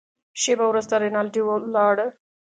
شېبه وروسته رینالډي ولاړ.